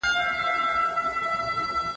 د آذر بت مات شو چې کله آبراهيم راغی